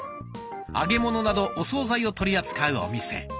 揚げ物などお総菜を取り扱うお店。